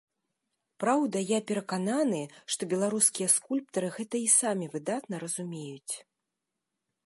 Праўда, я перакананы, што беларускія скульптары гэта і самі выдатна разумеюць.